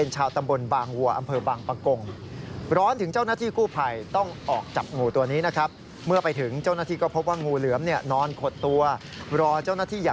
เจ้าหน้าที่อยากสบายใจไปในห้องน้ำ